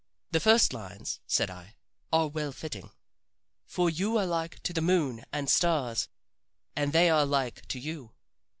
The first lines," said I, "are well fitting. For you are like to the moon and stars, and they are like to you.